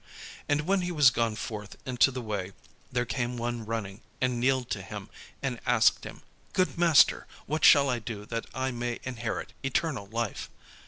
And when he was gone forth into the way, there came one running, and kneeled to him, and asked him, "Good Master, what shall I do that I may inherit eternal life?"